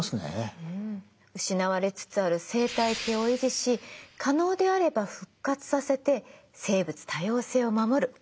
失われつつある生態系を維持し可能であれば復活させて生物多様性を守る。